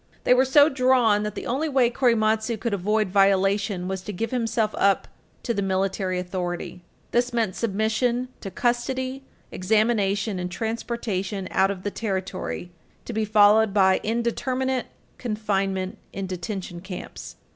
They were so drawn that the only way Korematsu could avoid violation was to give himself up to the military authority. This meant submission to custody, examination, and transportation out of the territory, to be followed by indeterminate confinement in detention camps.